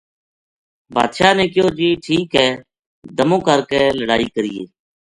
بادشاہ نے کہیو جی ٹھیک ہے دمو کر کے لڑائی کرینے